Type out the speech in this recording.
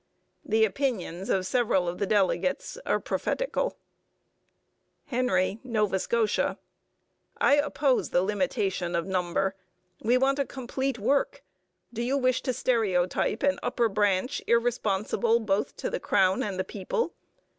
The opinions of several of the delegates are prophetical: HENRY (Nova Scotia) I oppose the limitation of number. We want a complete work. Do you wish to stereotype an upper branch irresponsible both to the crown and the people?